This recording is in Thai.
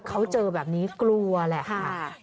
เขาเจอแบบนี้กลัวแหละค่ะ